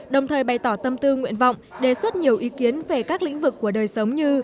đồng thời bày tỏ tâm tư nguyện vọng đề xuất nhiều ý kiến về các lĩnh vực của đời sống như